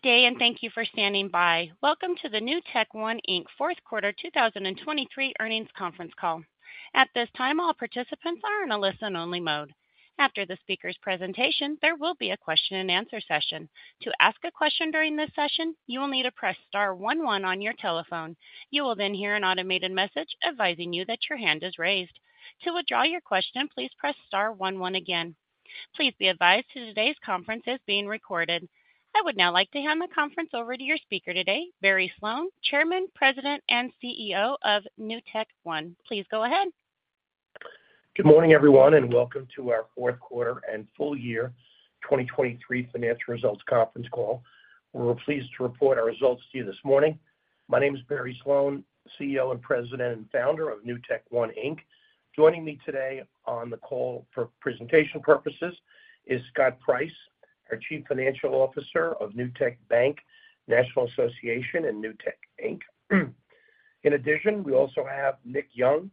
Good day and thank you for standing by. Welcome to the NewtekOne, Inc. Fourth Quarter 2023 Earnings Conference Call. At this time, all participants are in a listen-only mode. After the speaker's presentation, there will be a question-and-answer session. To ask a question during this session, you will need to press star one one on your telephone. You will then hear an automated message advising you that your hand is raised. To withdraw your question, please press star one one again. Please be advised that today's conference is being recorded. I would now like to hand the conference over to your speaker today, Barry Sloane, Chairman, President, and CEO of NewtekOne, Inc. Please go ahead. Good morning, everyone, and welcome to our fourth quarter and full year 2023 Financial Results Conference Call. We're pleased to report our results to you this morning. My name is Barry Sloane, CEO and President and Founder of NewtekOne Inc. Joining me today on the call for presentation purposes is Scott Price, our Chief Financial Officer of Newtek Bank, National Association, and Newtek Inc. In addition, we also have Nick Young,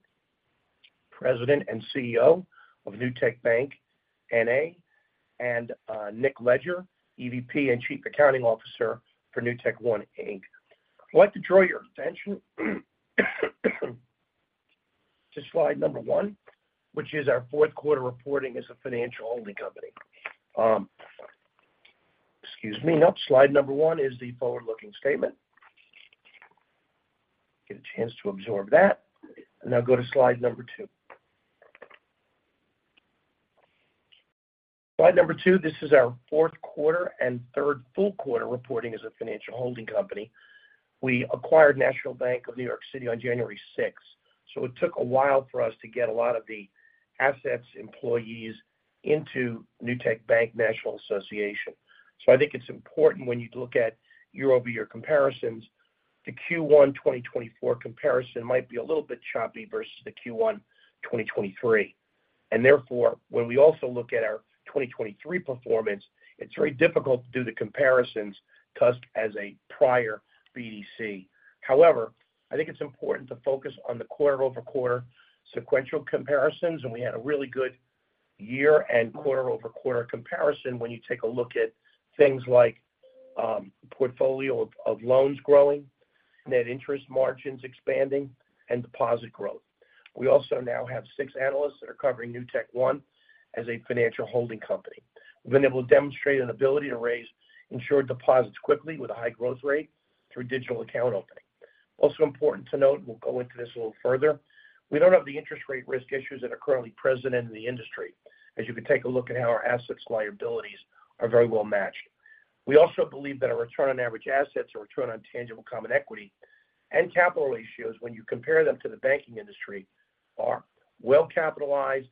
President and CEO of Newtek Bank, N.A., and Nick Leger, EVP and Chief Accounting Officer for NewtekOne Inc. I'd like to draw your attention to slide number one, which is our fourth quarter reporting as a financial holding company. Excuse me. Nope. Slide number one is the forward-looking statement. Get a chance to absorb that. And now go to slide number two. Slide number two, this is our fourth quarter and third full quarter reporting as a financial holding company. We acquired National Bank of New York City on January 6th, so it took a while for us to get a lot of the assets, employees into Newtek Bank, National Association. So I think it's important when you look at year-over-year comparisons, the Q1 2024 comparison might be a little bit choppy versus the Q1 2023. And therefore, when we also look at our 2023 performance, it's very difficult to do the comparisons because as a prior BDC. However, I think it's important to focus on the quarter-over-quarter sequential comparisons, and we had a really good year-and-quarter-over-quarter comparison when you take a look at things like portfolio of loans growing, net interest margins expanding, and deposit growth. We also now have six analysts that are covering NewtekOne as a financial holding company. We've been able to demonstrate an ability to raise insured deposits quickly with a high growth rate through digital account opening. Also important to note, and we'll go into this a little further, we don't have the interest rate risk issues that are currently present in the industry, as you could take a look at how our assets and liabilities are very well matched. We also believe that our Return on Average Assets and Return on Tangible Common Equity and capital ratios, when you compare them to the banking industry, are well capitalized,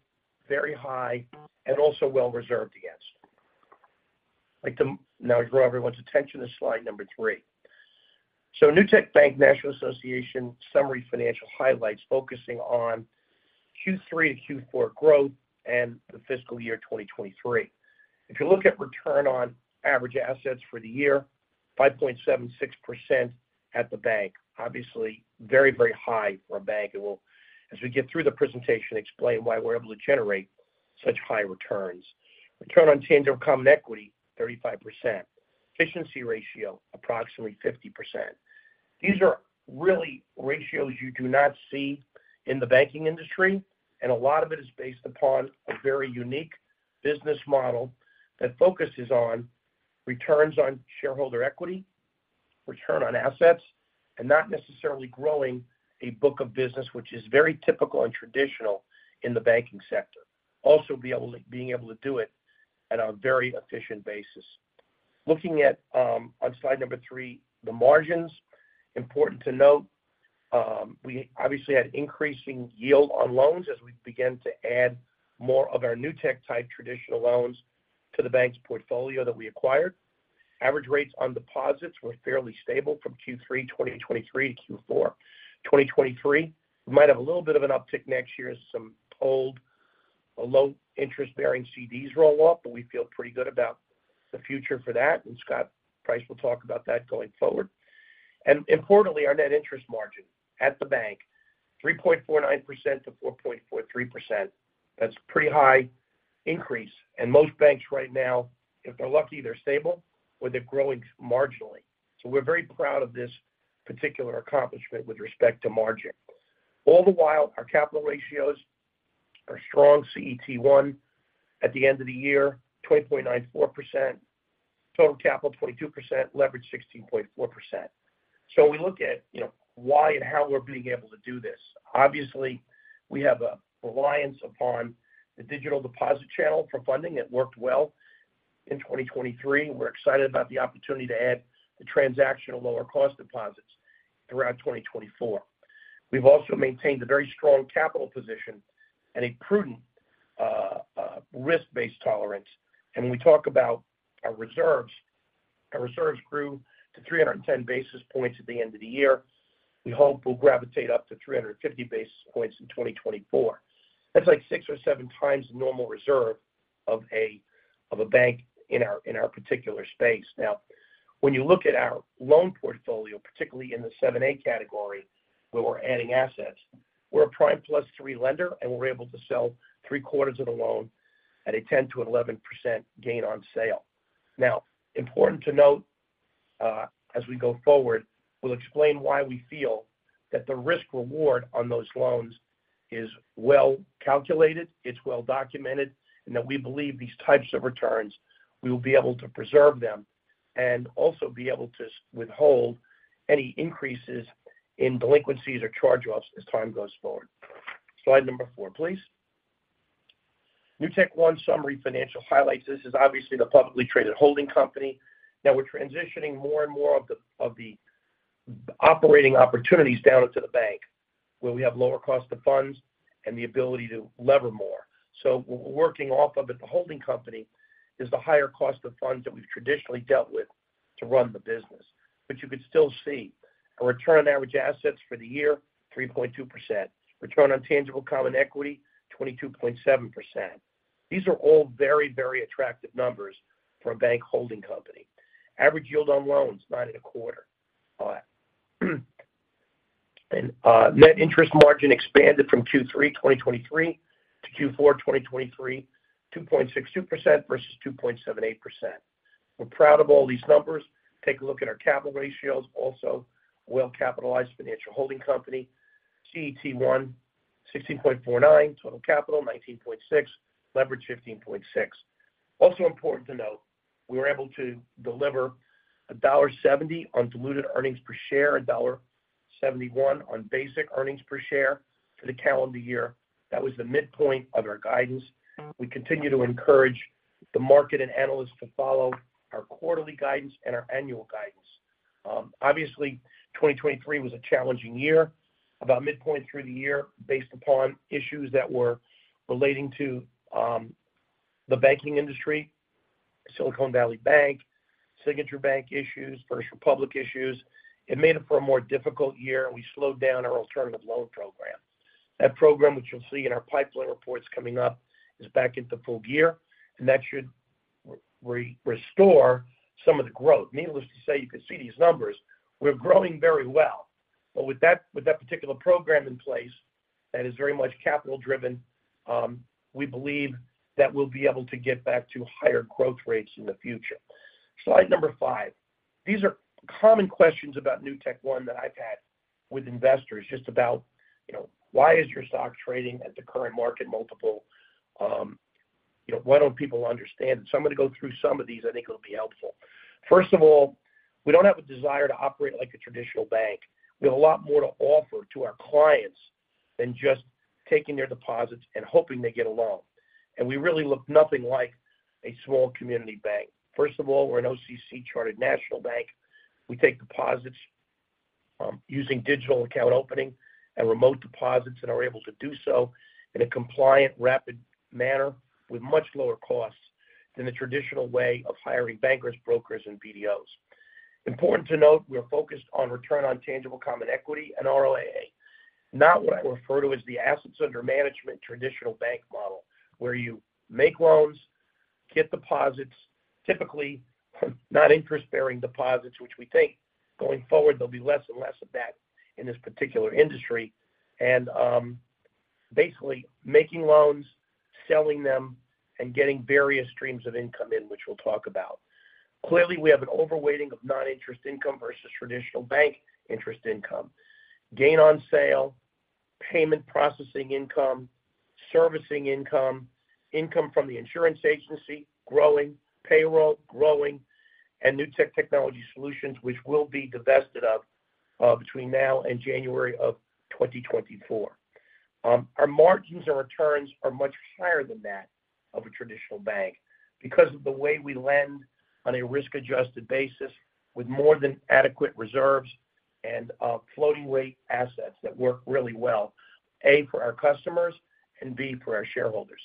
very high, and also well reserved against. I'd like to now draw everyone's attention to slide number three. So Newtek Bank, N.A. summary financial highlights focusing on Q3 to Q4 growth and the fiscal year 2023. If you look at Return on Average Assets for the year, 5.76% at the bank. Obviously, very, very high for a bank. We'll, as we get through the presentation, explain why we're able to generate such high returns. Return on tangible common equity, 35%. Efficiency ratio, approximately 50%. These are really ratios you do not see in the banking industry, and a lot of it is based upon a very unique business model that focuses on returns on shareholder equity, return on assets, and not necessarily growing a book of business, which is very typical and traditional in the banking sector. Also being able to do it on a very efficient basis. Looking at slide number three, the margins. Important to note, we obviously had increasing yield on loans as we began to add more of our Newtek-type traditional loans to the bank's portfolio that we acquired. Average rates on deposits were fairly stable from Q3 2023 to Q4 2023. We might have a little bit of an uptick next year as some old, low-interest-bearing CDs roll off, but we feel pretty good about the future for that. Scott Price will talk about that going forward. Importantly, our net interest margin at the bank, 3.49%-4.43%. That's a pretty high increase. Most banks right now, if they're lucky, they're stable or they're growing marginally. We're very proud of this particular accomplishment with respect to margin. All the while, our capital ratios are strong. CET1 at the end of the year, 20.94%. Total capital, 22%. Leverage, 16.4%. When we look at why and how we're being able to do this, obviously, we have a reliance upon the digital deposit channel for funding. It worked well in 2023. We're excited about the opportunity to add the transactional lower-cost deposits throughout 2024. We've also maintained a very strong capital position and a prudent risk-based tolerance. When we talk about our reserves, our reserves grew to 310 basis points at the end of the year. We hope we'll gravitate up to 350 basis points in 2024. That's like six or seven times the normal reserve of a bank in our particular space. Now, when you look at our loan portfolio, particularly in the 7A category where we're adding assets, we're a Prime Plus Three lender, and we're able to sell three-quarters of the loan at a 10%-11% gain on sale. Now, important to note, as we go forward, we'll explain why we feel that the risk-reward on those loans is well calculated. It's well documented, and that we believe these types of returns, we will be able to preserve them and also be able to withhold any increases in delinquencies or charge-offs as time goes forward. Slide number four, please. NewtekOne summary financial highlights. This is obviously the publicly traded holding company. Now, we're transitioning more and more of the operating opportunities down into the bank, where we have lower cost of funds and the ability to lever more. So what we're working off of at the holding company is the higher cost of funds that we've traditionally dealt with to run the business. But you could still see a Return on Average Assets for the year, 3.2%. Return on Tangible Common Equity, 22.7%. These are all very, very attractive numbers for a bank holding company. Average yield on loans, 9.25%. Net Interest Margin expanded from Q3 2023 to Q4 2023, 2.62% versus 2.78%. We're proud of all these numbers. Take a look at our capital ratios. Also, well-capitalized Financial Holding Company. CET1, 16.49. Total capital, 19.6. Leverage, 15.6. Also important to note, we were able to deliver $1.70 on diluted earnings per share, $1.71 on basic earnings per share for the calendar year. That was the midpoint of our guidance. We continue to encourage the market and analysts to follow our quarterly guidance and our annual guidance. Obviously, 2023 was a challenging year, about midpoint through the year based upon issues that were relating to the banking industry, Silicon Valley Bank, Signature Bank issues, First Republic issues. It made it for a more difficult year, and we slowed down our Alternative Loan Program. That program, which you'll see in our pipeline reports coming up, is back into full gear, and that should restore some of the growth. Needless to say, you could see these numbers. We're growing very well. But with that particular program in place that is very much capital-driven, we believe that we'll be able to get back to higher growth rates in the future. Slide number five. These are common questions about NewtekOne that I've had with investors, just about why is your stock trading at the current market multiple? Why don't people understand it? So I'm going to go through some of these. I think it'll be helpful. First of all, we don't have a desire to operate like a traditional bank. We have a lot more to offer to our clients than just taking their deposits and hoping they get a loan. We really look nothing like a small community bank. First of all, we're an OCC-chartered national bank. We take deposits using digital account opening and remote deposits and are able to do so in a compliant, rapid manner with much lower costs than the traditional way of hiring bankers, brokers, and BDOs. Important to note, we are focused on return on tangible common equity and ROAA, not what I refer to as the assets-under-management traditional bank model, where you make loans, get deposits, typically not interest-bearing deposits, which we think going forward, there'll be less and less of that in this particular industry, and basically making loans, selling them, and getting various streams of income in, which we'll talk about. Clearly, we have an overweighting of non-interest income versus traditional bank interest income. Gain on Sale, payment processing income, servicing income, income from the insurance agency, growing, payroll, growing, and Newtek Technology Solutions, which will be divested of between now and January of 2024. Our margins and returns are much higher than that of a traditional bank because of the way we lend on a risk-adjusted basis with more than adequate reserves and floating weight assets that work really well, A, for our customers, and B, for our shareholders.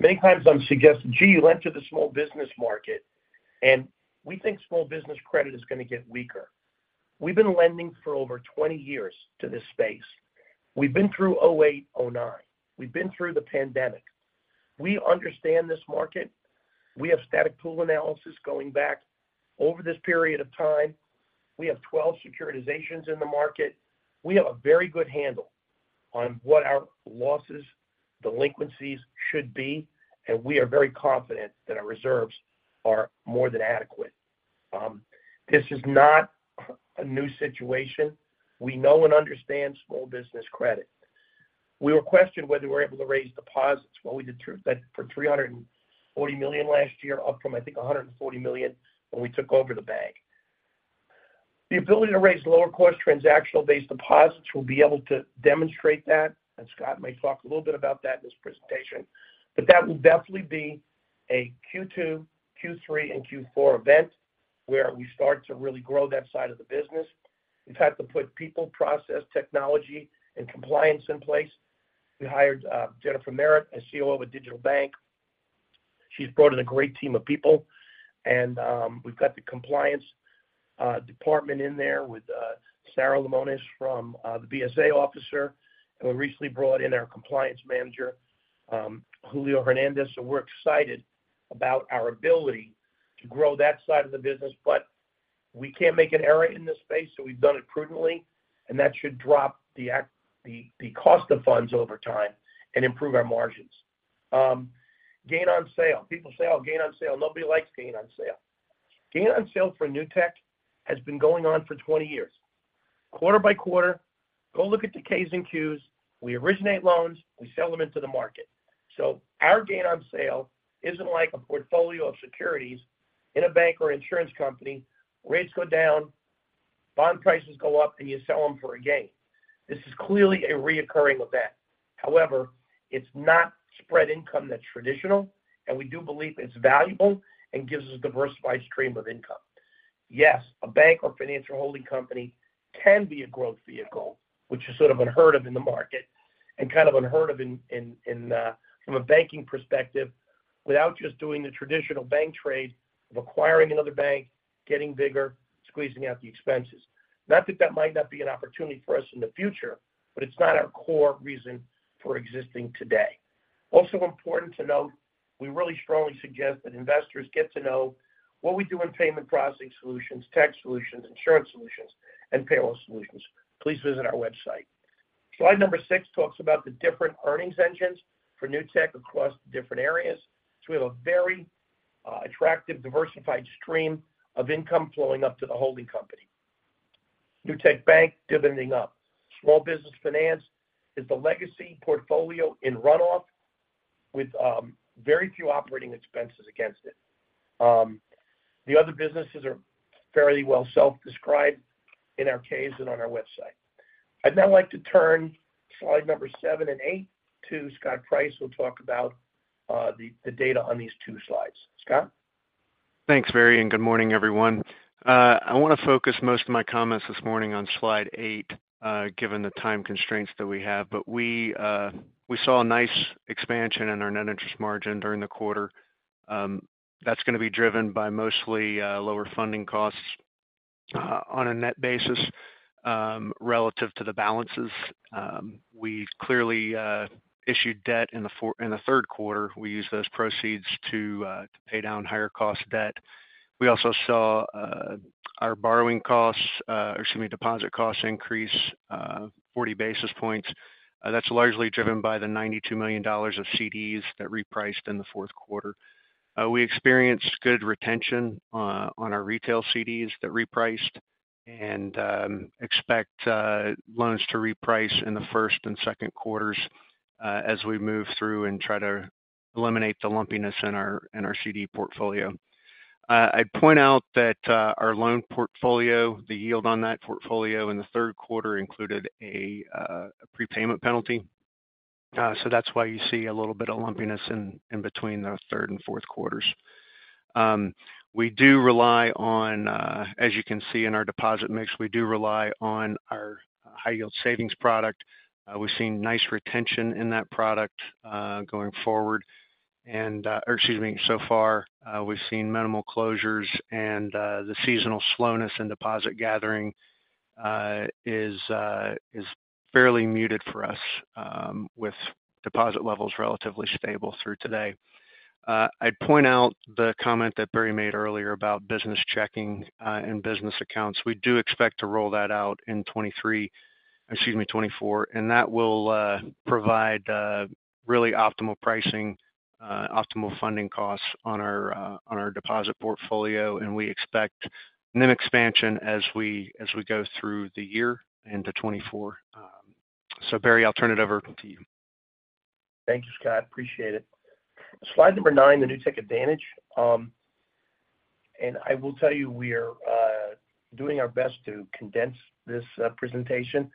Many times, I'm suggested, "Gee, you lent to the small business market, and we think small business credit is going to get weaker." We've been lending for over 20 years to this space. We've been through 2008, 2009. We've been through the pandemic. We understand this market. We have static pool analysis going back over this period of time. We have 12 securitizations in the market. We have a very good handle on what our losses, delinquencies should be, and we are very confident that our reserves are more than adequate. This is not a new situation. We know and understand small business credit. We were questioned whether we were able to raise deposits. Well, we did for $340 million last year, up from, I think, $140 million when we took over the bank. The ability to raise lower-cost transactional-based deposits, we'll be able to demonstrate that. And Scott might talk a little bit about that in his presentation. But that will definitely be a Q2, Q3, and Q4 event where we start to really grow that side of the business. We've had to put people, process, technology, and compliance in place. We hired Jennifer Merritt, a COO of a digital bank. She's brought in a great team of people. And we've got the compliance department in there with Sara Limones from the BSA officer. And we recently brought in our compliance manager, Julio Hernandez. So we're excited about our ability to grow that side of the business. But we can't make an error in this space, so we've done it prudently, and that should drop the cost of funds over time and improve our margins. Gain on sale. People say, "Oh, gain on sale." Nobody likes gain on sale. Gain on sale for Newtek has been going on for 20 years. Quarter by quarter, go look at the K's and Q's. We originate loans. We sell them into the market. So our gain on sale isn't like a portfolio of securities in a bank or insurance company. Rates go down. Bond prices go up, and you sell them for a gain. This is clearly a recurring event. However, it's not spread income that's traditional, and we do believe it's valuable and gives us a diversified stream of income. Yes, a bank or financial holding company can be a growth vehicle, which is sort of unheard of in the market and kind of unheard of from a banking perspective without just doing the traditional bank trade of acquiring another bank, getting bigger, squeezing out the expenses. Not that that might not be an opportunity for us in the future, but it's not our core reason for existing today. Also important to note, we really strongly suggest that investors get to know what we do in payment processing solutions, tech solutions, insurance solutions, and payroll solutions. Please visit our website. Slide number six talks about the different earnings engines for Newtek across the different areas. So we have a very attractive, diversified stream of income flowing up to the holding company. Newtek Bank, dividending up. Small business finance is the legacy portfolio in runoff with very few operating expenses against it. The other businesses are fairly well self-described in our K's and on our website. I'd now like to turn slide number seven and eight to Scott Price. We'll talk about the data on these two slides. Scott? Thanks, Barry, and good morning, everyone. I want to focus most of my comments this morning on slide 8 given the time constraints that we have. But we saw a nice expansion in our net interest margin during the quarter. That's going to be driven by mostly lower funding costs on a net basis relative to the balances. We clearly issued debt in the third quarter. We used those proceeds to pay down higher-cost debt. We also saw our borrowing costs or, excuse me, deposit costs increase 40 basis points. That's largely driven by the $92 million of CDs that repriced in the fourth quarter. We experienced good retention on our retail CDs that repriced and expect loans to reprice in the first and second quarters as we move through and try to eliminate the lumpiness in our CD portfolio. I'd point out that our loan portfolio, the yield on that portfolio in the third quarter included a prepayment penalty. So that's why you see a little bit of lumpiness in between the third and fourth quarters. We do rely on, as you can see in our deposit mix, we do rely on our high-yield savings product. We've seen nice retention in that product going forward. Excuse me, so far, we've seen minimal closures, and the seasonal slowness in deposit gathering is fairly muted for us with deposit levels relatively stable through today. I'd point out the comment that Barry made earlier about business checking and business accounts. We do expect to roll that out in 2023 or, excuse me, 2024, and that will provide really optimal pricing, optimal funding costs on our deposit portfolio. And we expect NIM expansion as we go through the year into 2024. So, Barry, I'll turn it over to you. Thank you, Scott. Appreciate it. Slide number nine, the Newtek Advantage. I will tell you, we are doing our best to condense this presentation.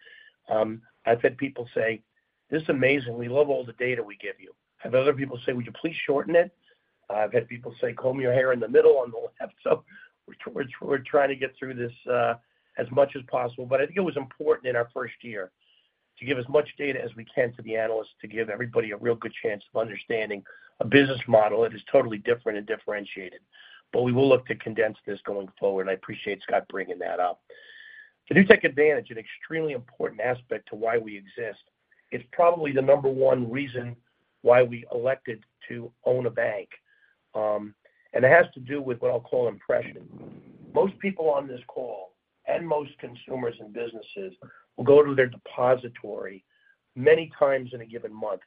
I've had people say, "This is amazing. We love all the data we give you." I've had other people say, "Would you please shorten it?" I've had people say, "Comb your hair in the middle on the left." We're trying to get through this as much as possible. I think it was important in our first year to give as much data as we can to the analysts to give everybody a real good chance of understanding a business model that is totally different and differentiated. We will look to condense this going forward, and I appreciate Scott bringing that up. The Newtek Advantage, an extremely important aspect to why we exist, is probably the number one reason why we elected to own a bank. It has to do with what I'll call impression. Most people on this call and most consumers and businesses will go to their depository many times in a given month.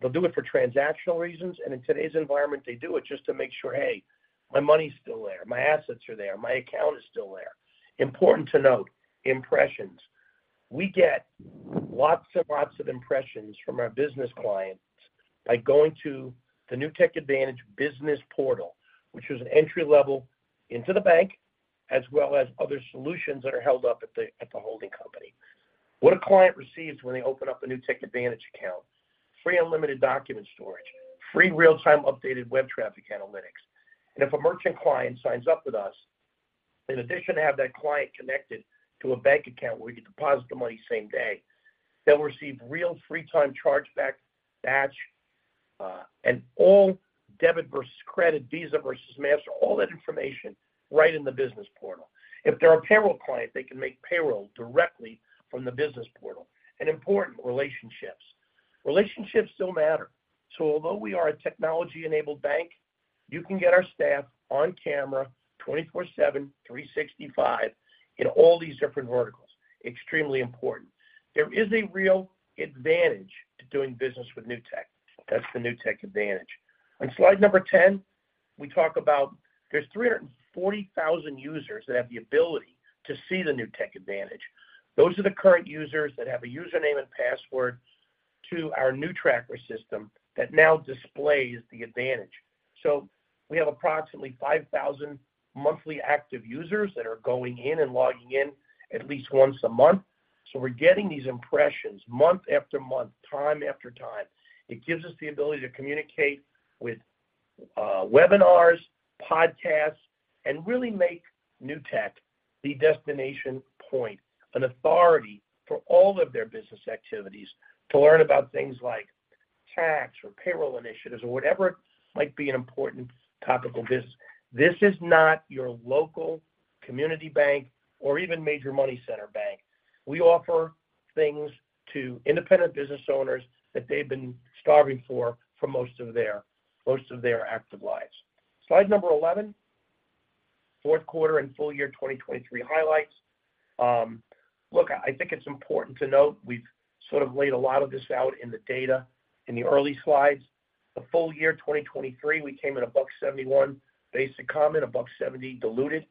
They'll do it for transactional reasons, and in today's environment, they do it just to make sure, "Hey, my money's still there. My assets are there. My account is still there." Important to note, impressions. We get lots and lots of impressions from our business clients by going to the Newtek Advantage Business Portal, which is an entry-level into the bank as well as other solutions that are held up at the holding company. What a client receives when they open up a Newtek Advantage account: free unlimited document storage, free real-time updated web traffic analytics. If a merchant client signs up with us, in addition to having that client connected to a bank account where we could deposit the money same day, they'll receive real-time chargeback batch and all debit versus credit, Visa versus Mastercard, all that information right in the business portal. If they're a payroll client, they can make payroll directly from the business portal. Important, relationships. Relationships still matter. Although we are a technology-enabled bank, you can get our staff on camera 24/7, 365 in all these different verticals. Extremely important. There is a real advantage to doing business with Newtek. That's the Newtek Advantage. On slide number one0, we talk about there's 340,000 users that have the ability to see the Newtek Advantage. Those are the current users that have a username and password to our NewTracker system that now displays the Advantage. So we have approximately 5,000 monthly active users that are going in and logging in at least once a month. So we're getting these impressions month after month, time after time. It gives us the ability to communicate with webinars, podcasts, and really make Newtek the destination point, an authority for all of their business activities to learn about things like tax or payroll initiatives or whatever might be an important topical business. This is not your local community bank or even major money center bank. We offer things to independent business owners that they've been starving for most of their active lives. Slide number one1, fourth quarter and full year 2023 highlights. Look, I think it's important to note we've sort of laid a lot of this out in the data in the early slides. The full year 2023, we came in at $1.71 basic common, $1.70 diluted.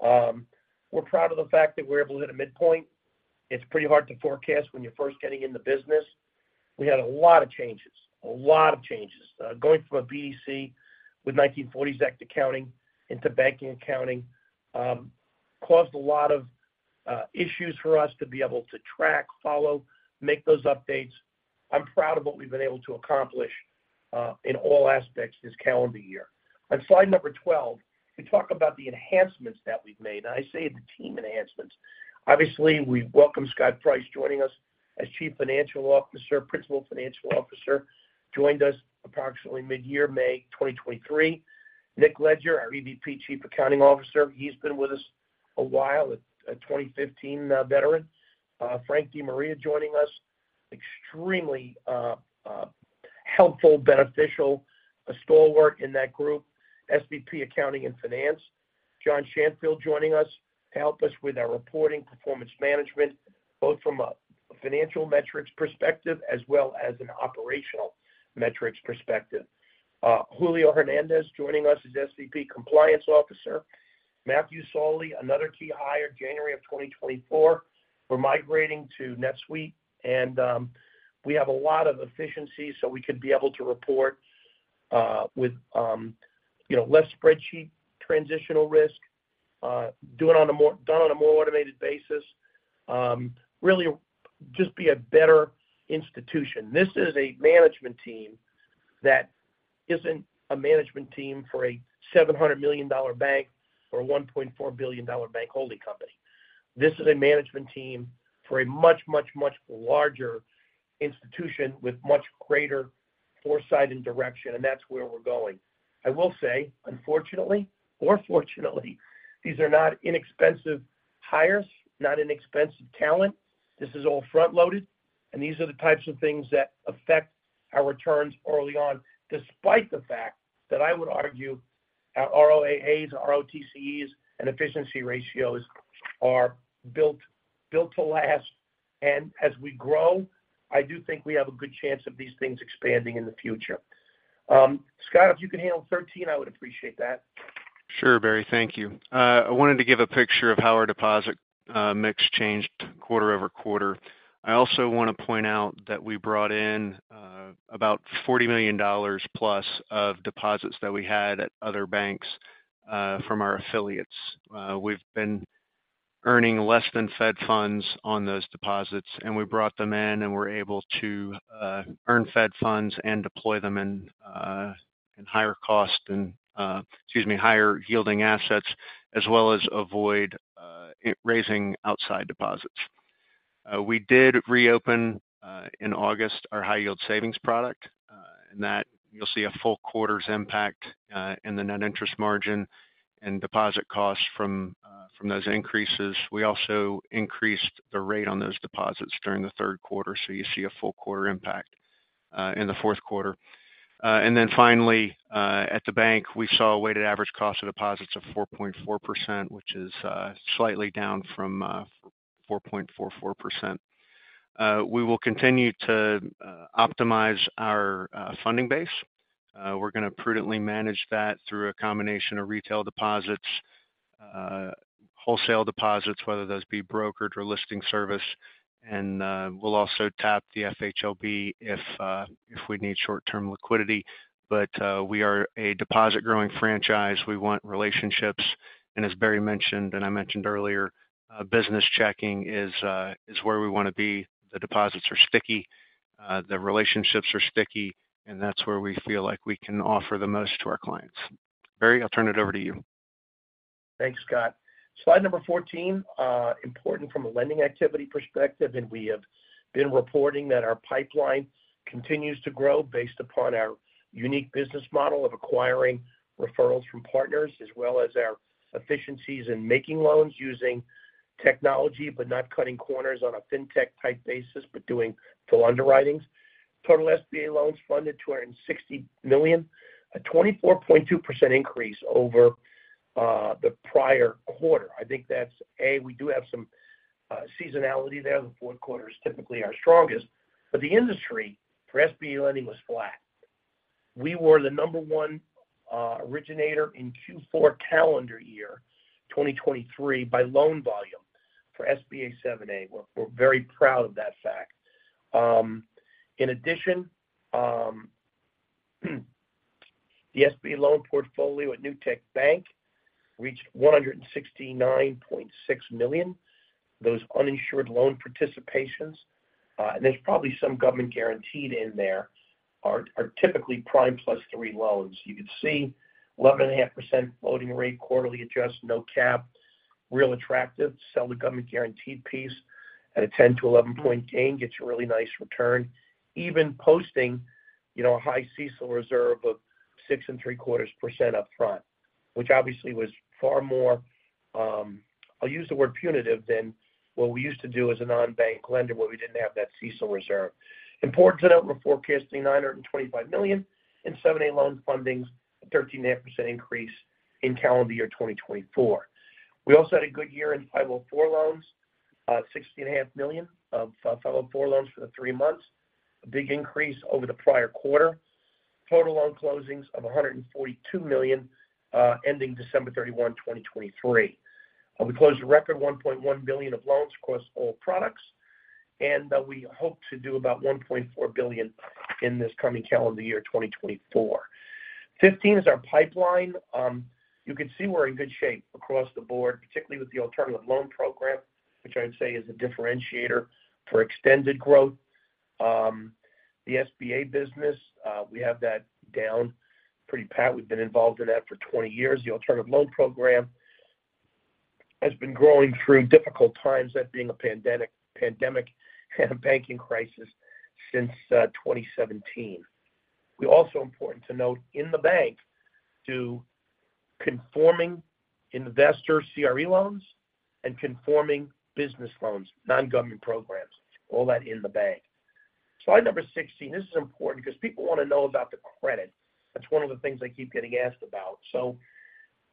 We're proud of the fact that we're able to hit a midpoint. It's pretty hard to forecast when you're first getting in the business. We had a lot of changes, a lot of changes. Going from a BDC with 1940 Act accounting into banking accounting caused a lot of issues for us to be able to track, follow, make those updates. I'm proud of what we've been able to accomplish in all aspects this calendar year. On slide 12, we talk about the enhancements that we've made. And I say the team enhancements. Obviously, we welcome Scott Price joining us as Chief Financial Officer, principal financial officer. He joined us approximately mid-year, May 2023. Nick Leger, our EVP and Chief Accounting Officer, he's been with us a while, a 2015 veteran. Frank DeMaria joining us, extremely helpful, beneficial, a stalwart in that group. SVP, Accounting and Finance, Jonathan Shanfield joining us to help us with our reporting, performance management, both from a financial metrics perspective as well as an operational metrics perspective. Julio Hernandez joining us as SVP and Compliance Officer. Matthew Solly, another key hire, January of 2024. We're migrating to NetSuite, and we have a lot of efficiencies so we could be able to report with less spreadsheet transitional risk, done on a more automated basis, really just be a better institution. This is a management team that isn't a management team for a $700 million bank or a $1.4 billion bank holding company. This is a management team for a much, much, much larger institution with much greater foresight and direction, and that's where we're going. I will say, unfortunately or fortunately, these are not inexpensive hires, not inexpensive talent. This is all front-loaded, and these are the types of things that affect our returns early on despite the fact that I would argue our ROAAs, ROTCEs, and efficiency ratios are built to last. And as we grow, I do think we have a good chance of these things expanding in the future. Scott, if you could handle 13, I would appreciate that. Sure, Barry. Thank you. I wanted to give a picture of how our deposit mix changed quarter-over-quarter. I also want to point out that we brought in about $40 million plus of deposits that we had at other banks from our affiliates. We've been earning less than Fed funds on those deposits, and we brought them in, and we're able to earn Fed funds and deploy them in higher cost and, excuse me, higher yielding assets as well as avoid raising outside deposits. We did reopen in August our high-yield savings product, and you'll see a full quarter's impact in the net interest margin and deposit costs from those increases. We also increased the rate on those deposits during the third quarter, so you see a full quarter impact in the fourth quarter. And then finally, at the bank, we saw a weighted average cost of deposits of 4.4%, which is slightly down from 4.44%. We will continue to optimize our funding base. We're going to prudently manage that through a combination of retail deposits, wholesale deposits, whether those be brokered or listing service. And we'll also tap the FHLB if we need short-term liquidity. But we are a deposit-growing franchise. We want relationships. And as Barry mentioned and I mentioned earlier, business checking is where we want to be. The deposits are sticky. The relationships are sticky, and that's where we feel like we can offer the most to our clients. Barry, I'll turn it over to you. Thanks, Scott. Slide number one4, important from a lending activity perspective, and we have been reporting that our pipeline continues to grow based upon our unique business model of acquiring referrals from partners as well as our efficiencies in making loans using technology but not cutting corners on a fintech-type basis but doing full underwritings. Total SBA loans funded: $260 million, a 24.2% increase over the prior quarter. I think that's, A, we do have some seasonality there. The fourth quarter is typically our strongest. But the industry for SBA lending was flat. We were the number one originator in Q4 calendar year 2023 by loan volume for SBA 7A. We're very proud of that fact. In addition, the SBA loan portfolio at Newtek Bank reached $169.6 million. Those uninsured loan participations, and there's probably some government guaranteed in there, are typically prime plus three loans. You can see 11.5% floating rate quarterly adjust, no cap, real attractive, sell the government guaranteed piece at a 10-11-point gain, get you a really nice return even posting a high CECL reserve of 6.75% upfront, which obviously was far more, I'll use the word punitive, than what we used to do as a non-bank lender where we didn't have that CECL reserve. Importance to note for forecasting: $925 million in 7(a) loan fundings, a 13.5% increase in calendar year 2024. We also had a good year in 504 loans, $16.5 million of 504 loans for the three months, a big increase over the prior quarter, total loan closings of $142 million ending December 31, 2023. We closed the record: $1.1 billion of loans across all products, and we hope to do about $1.4 billion in this coming calendar year 2024. 15 is our pipeline. You can see we're in good shape across the board, particularly with the Alternative Loan Program, which I would say is a differentiator for extended growth. The SBA business, we have that down pretty pat. We've been involved in that for 20 years. The Alternative Loan Program has been growing through difficult times, that being a pandemic and a banking crisis since 2017. We also, important to note, in the bank do conforming investor CRE loans and conforming business loans, non-government programs, all that in the bank. Slide 16, this is important because people want to know about the credit. That's one of the things I keep getting asked about. So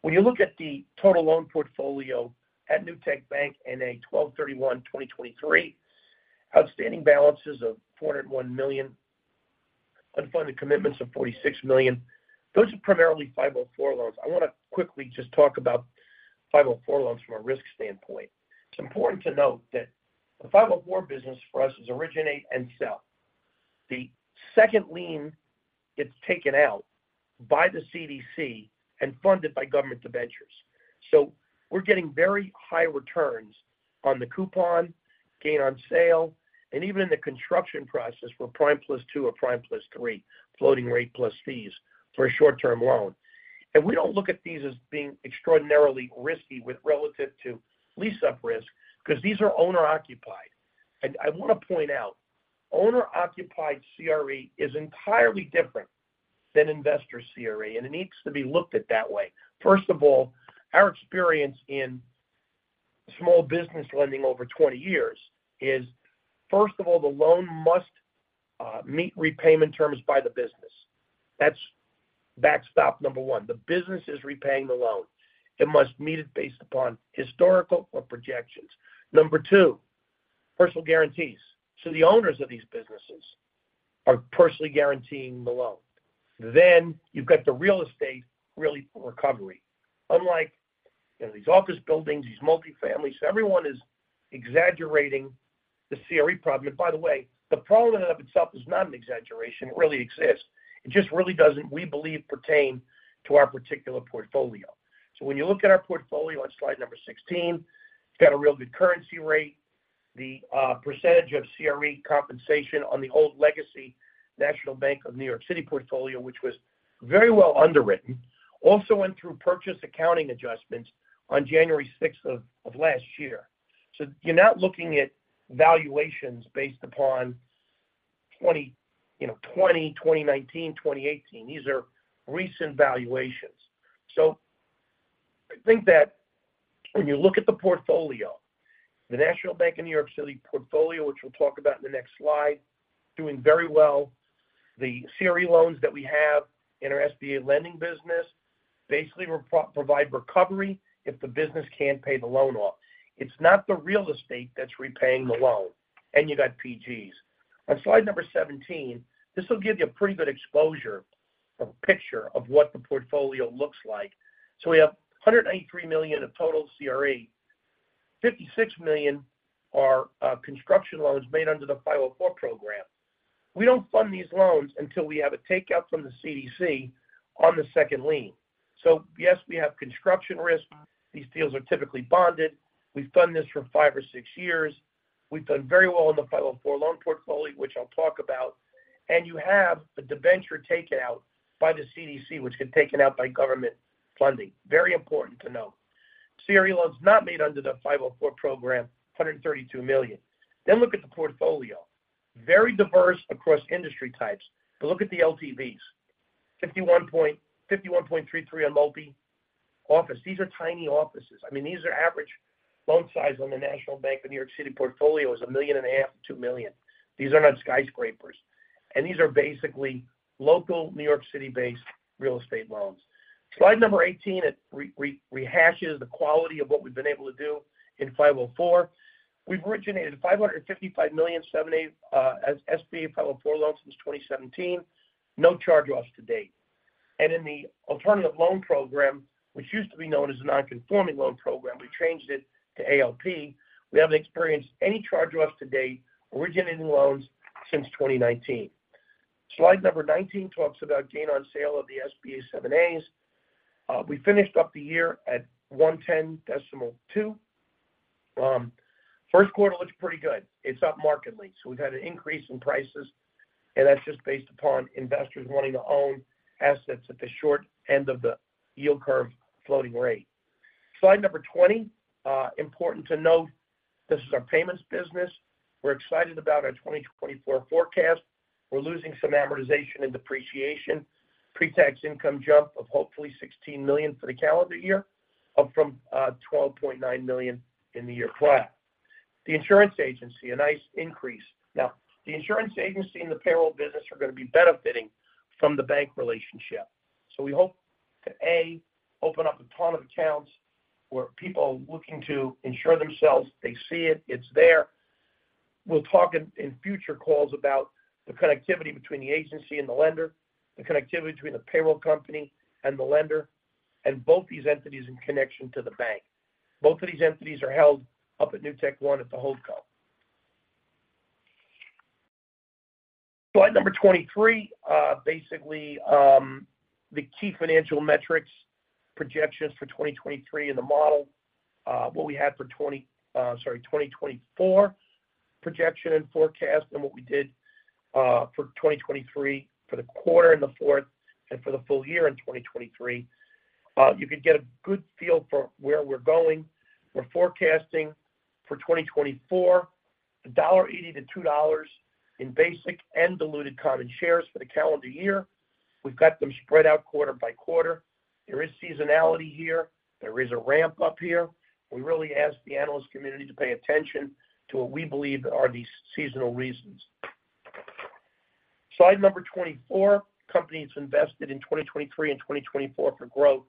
when you look at the total loan portfolio at Newtek Bank in a 12/31/2023, outstanding balances of $401 million, unfunded commitments of $46 million, those are primarily 504 loans. I want to quickly just talk about 504 loans from a risk standpoint. It's important to note that the 504 business for us is originate and sell. The second lien, it's taken out by the CDC and funded by government ventures. So we're getting very high returns on the coupon, gain on sale, and even in the construction process for prime plus two or prime plus three, floating rate plus fees for a short-term loan. And we don't look at these as being extraordinarily risky relative to lease-up risk because these are owner-occupied. And I want to point out, owner-occupied CRE is entirely different than investor CRE, and it needs to be looked at that way. First of all, our experience in small business lending over 20 years is, first of all, the loan must meet repayment terms by the business. That's backstop number one. The business is repaying the loan. It must meet it based upon historical or projections. number two, personal guarantees. So the owners of these businesses are personally guaranteeing the loan. Then you've got the real estate, really. Recovery. Unlike these office buildings, these multifamily, everyone is exaggerating the CRE problem. And by the way, the problem in and of itself is not an exaggeration. It really exists. It just really doesn't, we believe, pertain to our particular portfolio. So when you look at our portfolio on slide number one6, it's got a real good currency rate. The percentage of CRE compensation on the old legacy National Bank of New York City portfolio, which was very well underwritten, also went through purchase accounting adjustments on January 6th of last year. So you're not looking at valuations based upon 2019, 2018. These are recent valuations. So I think that when you look at the portfolio, the National Bank of New York City portfolio, which we'll talk about in the next slide, doing very well, the CRE loans that we have in our SBA lending business basically provide recovery if the business can't pay the loan off. It's not the real estate that's repaying the loan, and you got PGs. On slide number one7, this will give you a pretty good exposure or picture of what the portfolio looks like. So we have $193 million of total CRE. $56 million are construction loans made under the 504 program. We don't fund these loans until we have a takeout from the CDC on the second lien. So yes, we have construction risk. These deals are typically bonded. We fund this for five or six years. We've done very well in the 504 loan portfolio, which I'll talk about. And you have a debenture takeout by the CDC, which get taken out by government funding. Very important to note. CRE loans not made under the 504 program: $132 million. Then look at the portfolio. Very diverse across industry types. But look at the LTVs: 51.33 on multi-office. These are tiny offices. I mean, these are average loan size on the National Bank of New York City portfolio is $1.5 million to $2 million. These are not skyscrapers. And these are basically local New York City-based real estate loans. Slide 18, it rehashes the quality of what we've been able to do in 504. We've originated $555 million 7A SBA 504 loans since 2017, no charge off to date. In the alternative loan program, which used to be known as a non-conforming loan program, we changed it to ALP. We haven't experienced any charge off to date originating loans since 2019. Slide 19 talks about gain on sale of the SBA 7As. We finished up the year at 110.2. First quarter looks pretty good. It's up marketly. So we've had an increase in prices, and that's just based upon investors wanting to own assets at the short end of the yield curve floating rate. Slide 20, important to note, this is our payments business. We're excited about our 2024 forecast. We're losing some amortization and depreciation, pre-tax income jump of hopefully $16 million for the calendar year from $12.9 million in the year prior. The insurance agency, a nice increase. Now, the insurance agency and the payroll business are going to be benefiting from the bank relationship. So we hope to, A, open up a ton of accounts where people looking to insure themselves, they see it, it's there. We'll talk in future calls about the connectivity between the agency and the lender, the connectivity between the payroll company and the lender, and both these entities in connection to the bank. Both of these entities are held up at NewtekOne at the holdco. Slide number two3, basically the key financial metrics, projections for 2023 in the model, what we had for 20 sorry, 2024 projection and forecast, and what we did for 2023 for the quarter and the fourth and for the full year in 2023. You could get a good feel for where we're going. We're forecasting for 2024: $1.80-$2 in basic and diluted common shares for the calendar year. We've got them spread out quarter by quarter. There is seasonality here. There is a ramp-up here. We really ask the analyst community to pay attention to what we believe are these seasonal reasons. Slide number two4, companies invested in 2023 and 2024 for growth.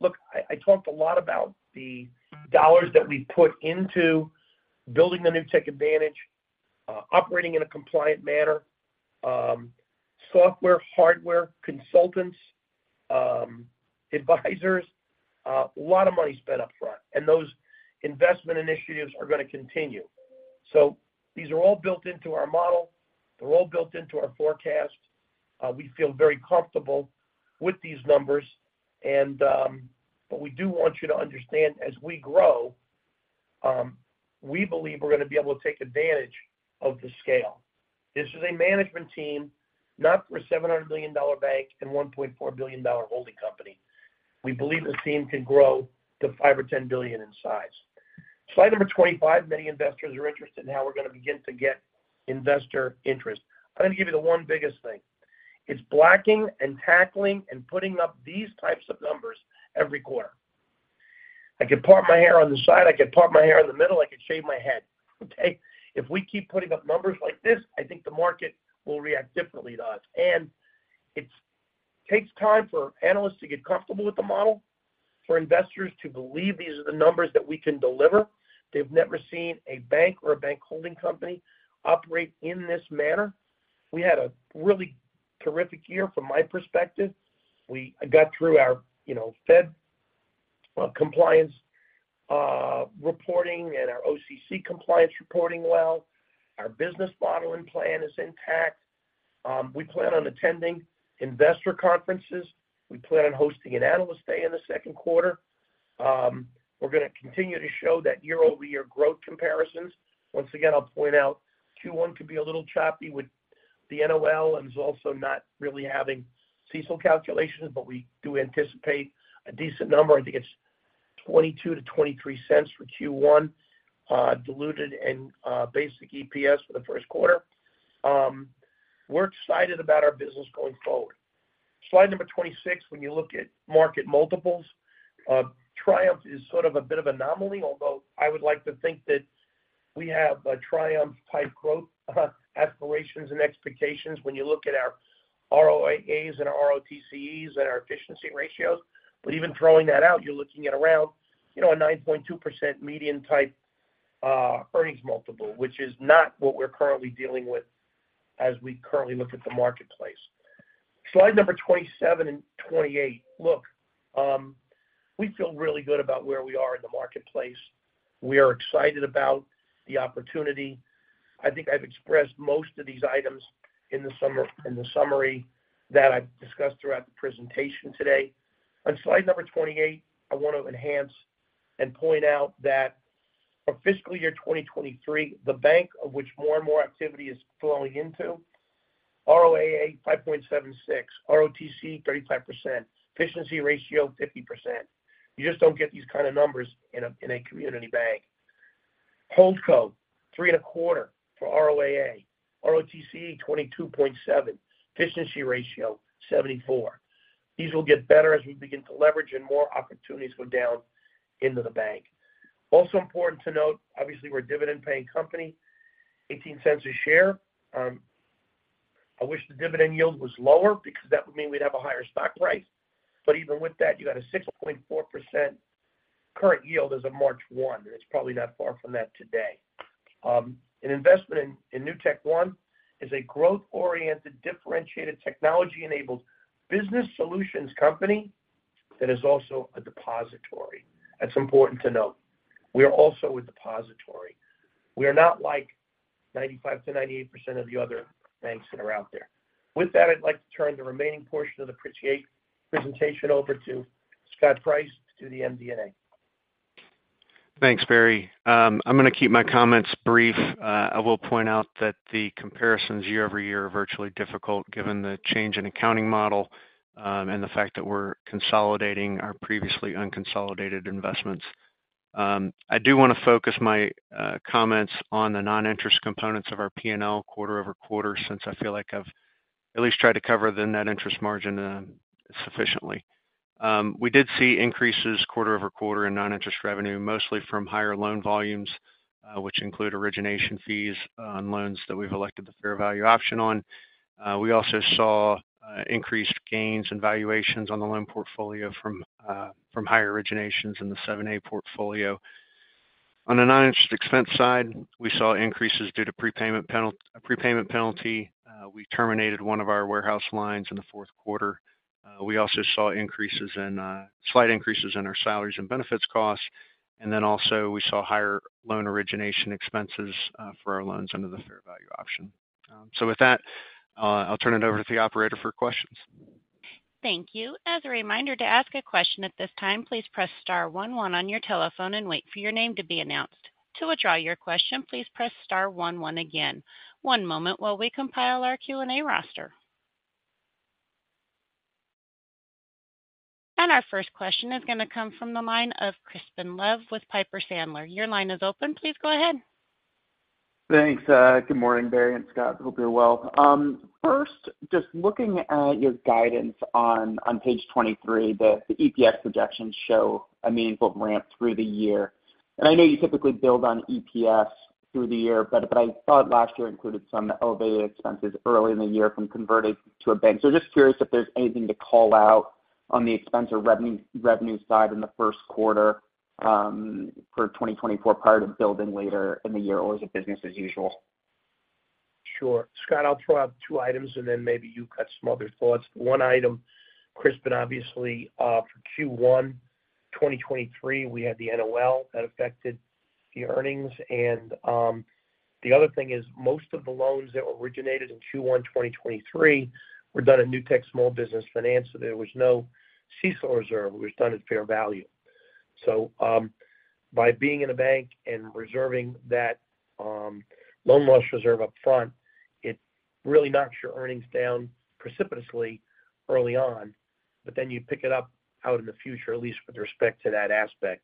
Look, I talked a lot about the dollars that we've put into building the Newtek Advantage, operating in a compliant manner, software, hardware, consultants, advisors, a lot of money spent upfront. And those investment initiatives are going to continue. So these are all built into our model. They're all built into our forecast. We feel very comfortable with these numbers. But we do want you to understand, as we grow, we believe we're going to be able to take advantage of the scale. This is a management team, not for a $700 million bank and $1.4 billion holding company. We believe the team can grow to $5 billion or $10 billion in size. Slide 25, many investors are interested in how we're going to begin to get investor interest. I'm going to give you the one biggest thing. It's blocking and tackling and putting up these types of numbers every quarter. I could part my hair on the side. I could part my hair in the middle. I could shave my head. Okay? If we keep putting up numbers like this, I think the market will react differently to us. And it takes time for analysts to get comfortable with the model, for investors to believe these are the numbers that we can deliver. They've never seen a bank or a bank holding company operate in this manner. We had a really terrific year from my perspective. We got through our Fed compliance reporting and our OCC compliance reporting well. Our business model and plan is intact. We plan on attending investor conferences. We plan on hosting an analyst day in the second quarter. We're going to continue to show that year-over-year growth comparisons. Once again, I'll point out Q1 could be a little choppy with the NOL and also not really having CECL calculations, but we do anticipate a decent number. I think it's $0.22-$0.23 for Q1, diluted and basic EPS for the first quarter. We're excited about our business going forward. Slide number two6, when you look at market multiples, Triumph is sort of a bit of anomaly, although I would like to think that we have Triumph-type growth aspirations and expectations when you look at our ROAAs and our ROTCEs and our efficiency ratios. But even throwing that out, you're looking at around a 9.2% median-type earnings multiple, which is not what we're currently dealing with as we currently look at the marketplace. Slide number two7 and 28, look, we feel really good about where we are in the marketplace. We are excited about the opportunity. I think I've expressed most of these items in the summary that I've discussed throughout the presentation today. On slide number two8, I want to enhance and point out that for fiscal year 2023, the bank of which more and more activity is flowing into, ROAA 5.76%, ROTCE 35%, efficiency ratio 50%. You just don't get these kind of numbers in a community bank. Holtco, 3.25 for ROAA. ROTCE 22.7, efficiency ratio 74%. These will get better as we begin to leverage and more opportunities go down into the bank. Also important to note, obviously, we're a dividend-paying company, $0.18 a share. I wish the dividend yield was lower because that would mean we'd have a higher stock price. But even with that, you got a 6.4% current yield as of March 1, and it's probably not far from that today. An investment in NewtekOne is a growth-oriented, differentiated, technology-enabled business solutions company that is also a depository. That's important to note. We are also a depository. We are not like 95%-98% of the other banks that are out there. With that, I'd like to turn the remaining portion of the presentation over to Scott Price to do the MD&A. Thanks, Barry. I'm going to keep my comments brief. I will point out that the comparisons year-over-year are virtually difficult given the change in accounting model and the fact that we're consolidating our previously unconsolidated investments. I do want to focus my comments on the non-interest components of our P&L quarter-over-quarter since I feel like I've at least tried to cover the Net Interest Margin sufficiently. We did see increases quarter-over-quarter in non-interest revenue, mostly from higher loan volumes, which include origination fees on loans that we've elected the fair value option on. We also saw increased gains in valuations on the loan portfolio from higher originations in the 7A portfolio. On the non-interest expense side, we saw increases due to prepayment penalty. We terminated one of our warehouse lines in the fourth quarter. We also saw slight increases in our salaries and benefits costs. And then also, we saw higher loan origination expenses for our loans under the fair value option. So with that, I'll turn it over to the operator for questions. Thank you. As a reminder, to ask a question at this time, please press star 11 on your telephone and wait for your name to be announced. To withdraw your question, please press star 11 again. One moment while we compile our Q&A roster. Our first question is going to come from the line of Crispin Love with Piper Sandler. Your line is open. Please go ahead. Thanks. Good morning, Barry and Scott. Hope you're well. First, just looking at your guidance on page 23, the EPS projections show a meaningful ramp through the year. I know you typically build on EPS through the year, but I thought last year included some elevated expenses early in the year from converting to a bank. Just curious if there's anything to call out on the expense or revenue side in the first quarter for 2024 prior to building later in the year or as a business as usual. Sure. Scott, I'll throw out two items, and then maybe you cut some other thoughts. One item, Crispin, obviously, for Q1 2023, we had the NOL that affected the earnings. And the other thing is most of the loans that originated in Q1 2023 were done at Newtek Small Business Finance, so there was no CECL reserve. It was done at fair value. So by being in a bank and reserving that loan loss reserve upfront, it really knocks your earnings down precipitously early on, but then you pick it up out in the future, at least with respect to that aspect.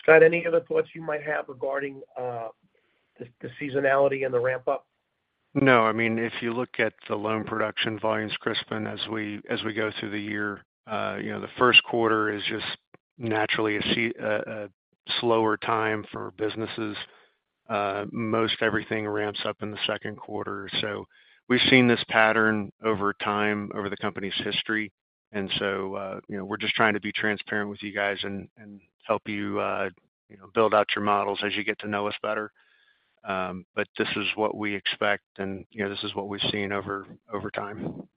Scott, any other thoughts you might have regarding the seasonality and the ramp-up? No. I mean, if you look at the loan production volumes, Crispin, as we go through the year, the first quarter is just naturally a slower time for businesses. Most everything ramps up in the second quarter. So we've seen this pattern over time over the company's history. And so we're just trying to be transparent with you guys and help you build out your models as you get to know us better. But this is what we expect, and this is what we've seen over time.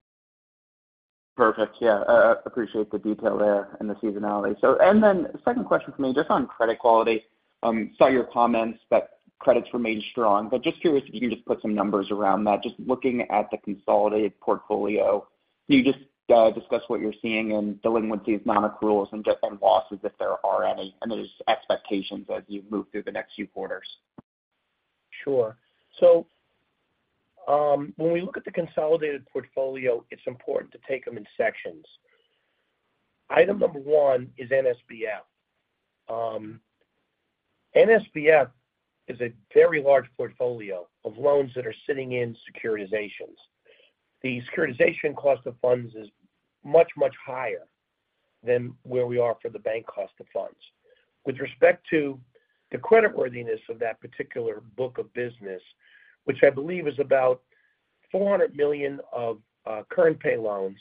Perfect. Yeah. Appreciate the detail there and the seasonality. And then second question for me, just on credit quality. Saw your comments, but credits remained strong. But just curious if you can just put some numbers around that. Just looking at the consolidated portfolio, can you just discuss what you're seeing in delinquencies, non-accruals, and losses if there are any, and then just expectations as you move through the next few quarters? Sure. So when we look at the consolidated portfolio, it's important to take them in sections. Item number one is NSBF. NSBF is a very large portfolio of loans that are sitting in securitizations. The securitization cost of funds is much, much higher than where we are for the bank cost of funds. With respect to the creditworthiness of that particular book of business, which I believe is about $400 million of current pay loans,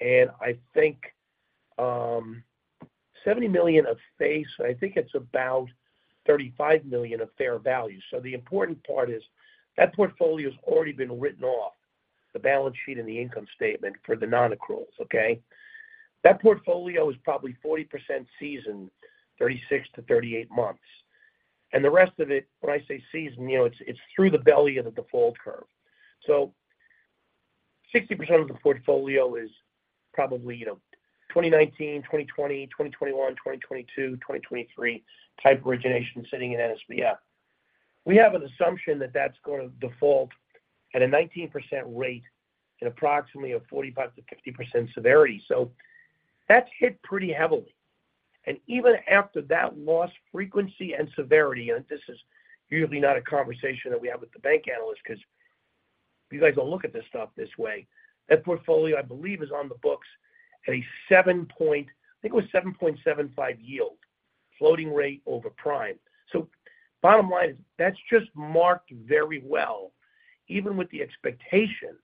and I think $70 million of face, and I think it's about $35 million of fair value. So the important part is that portfolio has already been written off, the balance sheet and the income statement, for the non-accruals. Okay? That portfolio is probably 40% seasoned, 36-38 months. And the rest of it, when I say seasoned, it's through the belly of the default curve. So 60% of the portfolio is probably 2019, 2020, 2021, 2022, 2023-type origination sitting in NSBF. We have an assumption that that's going to default at a 19% rate at approximately a 45%-50% severity. So that's hit pretty heavily. And even after that loss frequency and severity - and this is usually not a conversation that we have with the bank analysts because you guys don't look at this stuff this way - that portfolio, I believe, is on the books at a 7 point I think it was 7.75 yield, floating rate over prime. So bottom line is that's just marked very well, even with the expectation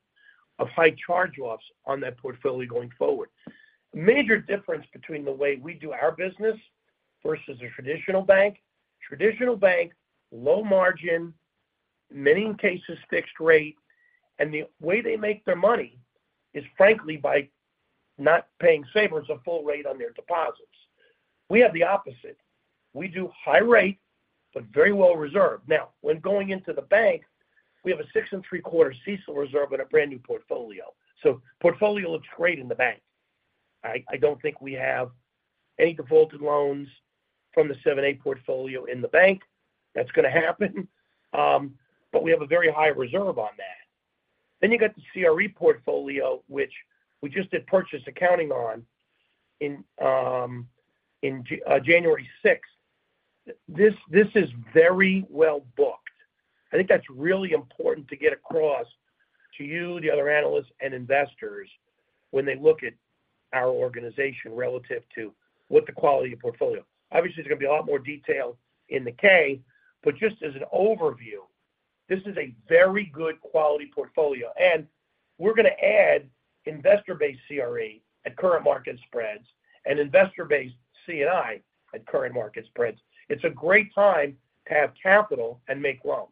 of high charge-offs on that portfolio going forward. Major difference between the way we do our business versus a traditional bank: traditional bank, low margin, many cases fixed rate. The way they make their money is, frankly, by not paying savers a full rate on their deposits. We have the opposite. We do high rate but very well reserved. Now, when going into the bank, we have a 6.75 CECL reserve in a brand new portfolio. So portfolio looks great in the bank. I don't think we have any defaulted loans from the 7(a) portfolio in the bank. That's going to happen. But we have a very high reserve on that. Then you got the CRE portfolio, which we just did purchase accounting on January 6th. This is very well booked. I think that's really important to get across to you, the other analysts, and investors when they look at our organization relative to what the quality of portfolio is. Obviously, there's going to be a lot more detail in the K, but just as an overview, this is a very good quality portfolio. We're going to add investor-based CRE at current market spreads and investor-based C&I at current market spreads. It's a great time to have capital and make loans.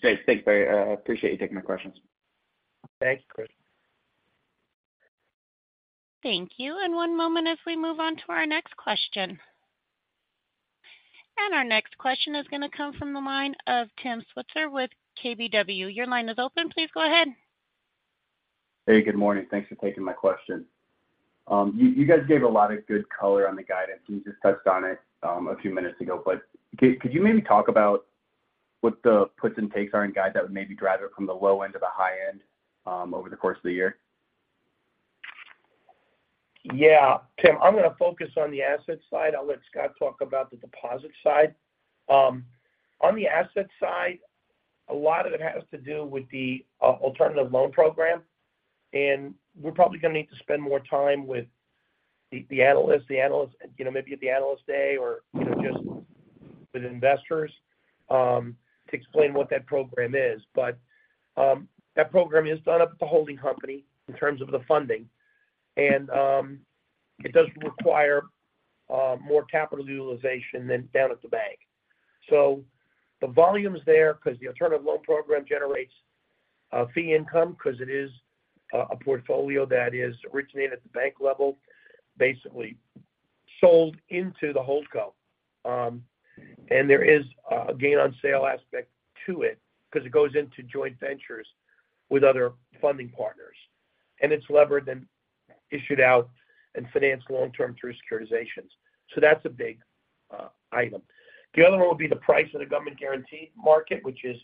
Great. Thanks, Barry. I appreciate you taking my questions. Thank you, Crisp. Thank you. And one moment as we move on to our next question. And our next question is going to come from the line of Tim Switzer with KBW. Your line is open. Please go ahead. Hey. Good morning. Thanks for taking my question. You guys gave a lot of good color on the guidance, and you just touched on it a few minutes ago. But could you maybe talk about what the puts and takes are in guidance that would maybe drive it from the low end to the high end over the course of the year? Yeah. Tim, I'm going to focus on the asset side. I'll let Scott talk about the deposit side. On the asset side, a lot of it has to do with the Alternative Loan Program. And we're probably going to need to spend more time with the analysts maybe at the analyst day or just with investors to explain what that program is. But that program is done up at the holding company in terms of the funding, and it does require more capital utilization than down at the bank. So the volume's there because the Alternative Loan Program generates fee income because it is a portfolio that is originated at the bank level, basically sold into the holdco. And there is a gain on sale aspect to it because it goes into joint ventures with other funding partners. And it's levered and issued out and financed long-term through securitizations. So that's a big item. The other one would be the price of the government guarantee market, which is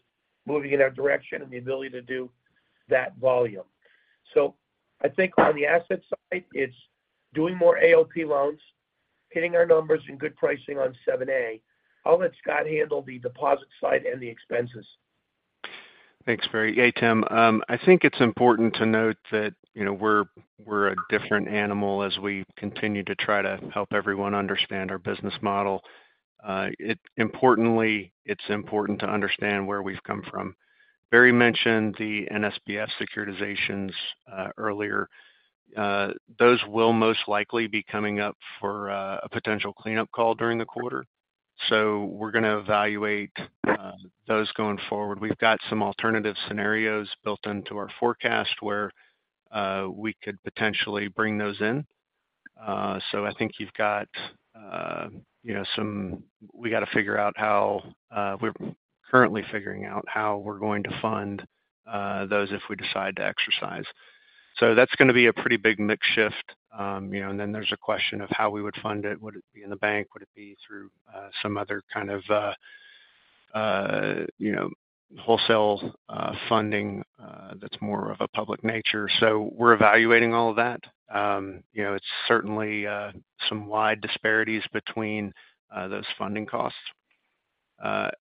moving in our direction, and the ability to do that volume. So I think on the asset side, it's doing more ALP loans, hitting our numbers, and good pricing on 7A. I'll let Scott handle the deposit side and the expenses. Thanks, Barry. Hey, Tim. I think it's important to note that we're a different animal as we continue to try to help everyone understand our business model. Importantly, it's important to understand where we've come from. Barry mentioned the NSBF securitizations earlier. Those will most likely be coming up for a potential cleanup call during the quarter. So we're going to evaluate those going forward. We've got some alternative scenarios built into our forecast where we could potentially bring those in. So I think you've got some we got to figure out how we're currently figuring out how we're going to fund those if we decide to exercise. So that's going to be a pretty big mix shift. And then there's a question of how we would fund it. Would it be in the bank? Would it be through some other kind of wholesale funding that's more of a public nature? So we're evaluating all of that. It's certainly some wide disparities between those funding costs.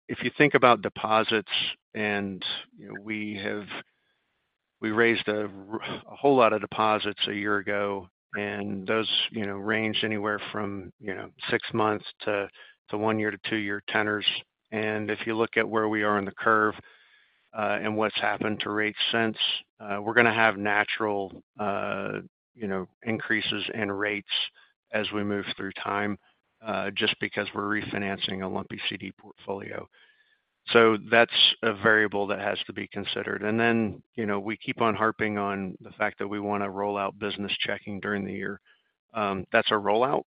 If you think about deposits, we raised a whole lot of deposits a year ago, and those ranged anywhere from six months to one-year to two-year tenors. And if you look at where we are in the curve and what's happened to rates since, we're going to have natural increases in rates as we move through time just because we're refinancing a lumpy CD portfolio. So that's a variable that has to be considered. And then we keep on harping on the fact that we want to roll out business checking during the year. That's a rollout.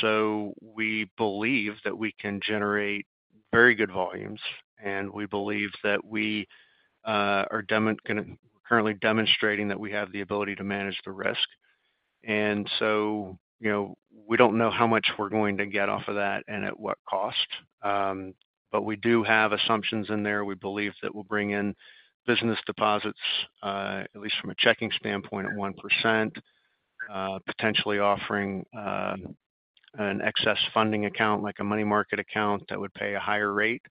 So we believe that we can generate very good volumes, and we believe that we are currently demonstrating that we have the ability to manage the risk. We don't know how much we're going to get off of that and at what cost. But we do have assumptions in there. We believe that we'll bring in business deposits, at least from a checking standpoint, at 1%, potentially offering an excess funding account, like a money market account, that would pay a higher rate.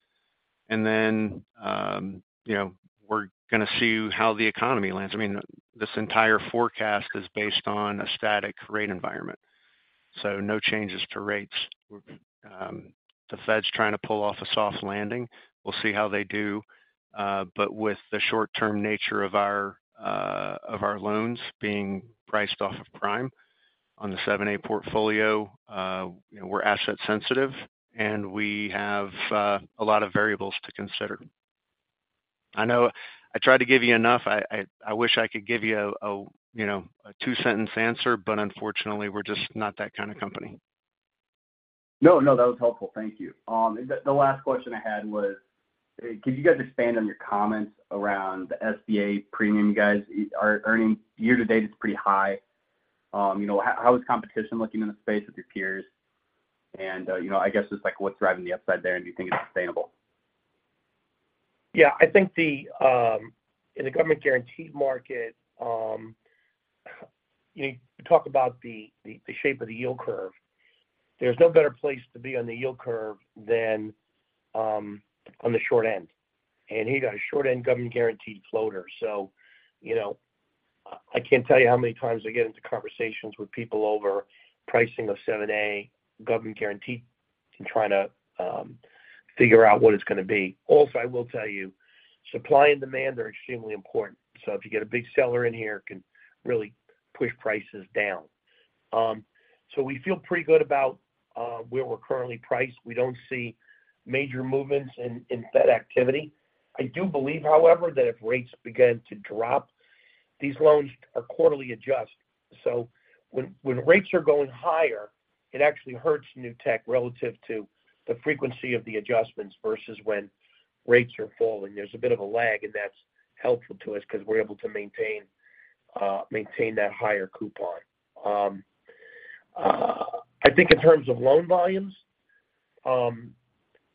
We're going to see how the economy lands. I mean, this entire forecast is based on a static rate environment, so no changes to rates. The Fed's trying to pull off a soft landing. We'll see how they do. But with the short-term nature of our loans being priced off of prime on the 7A portfolio, we're asset-sensitive, and we have a lot of variables to consider. I know I tried to give you enough. I wish I could give you a two-sentence answer, but unfortunately, we're just not that kind of company. No, no. That was helpful. Thank you. The last question I had was, could you guys expand on your comments around the SBA premium? You guys are earning year-to-date. It's pretty high. How is competition looking in the space with your peers? And I guess just what's driving the upside there, and do you think it's sustainable? Yeah. I think in the government guaranteed market, you talk about the shape of the yield curve. There's no better place to be on the yield curve than on the short end. And here you got a short-end government guaranteed floater. So I can't tell you how many times I get into conversations with people over pricing of 7(a) government guaranteed and trying to figure out what it's going to be. Also, I will tell you, supply and demand are extremely important. So if you get a big seller in here, it can really push prices down. So we feel pretty good about where we're currently priced. We don't see major movements in Fed activity. I do believe, however, that if rates begin to drop, these loans are quarterly adjusted. So when rates are going higher, it actually hurts Newtek relative to the frequency of the adjustments versus when rates are falling. There's a bit of a lag, and that's helpful to us because we're able to maintain that higher coupon. I think in terms of loan volumes,